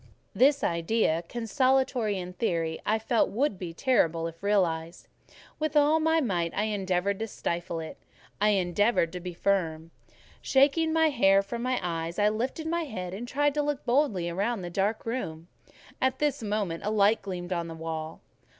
This idea, consolatory in theory, I felt would be terrible if realised: with all my might I endeavoured to stifle it—I endeavoured to be firm. Shaking my hair from my eyes, I lifted my head and tried to look boldly round the dark room; at this moment a light gleamed on the wall.